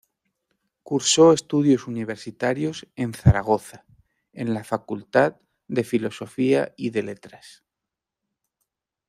Cursó estudios universitarios en Zaragoza, en la Facultad de Filosofía y de Letras.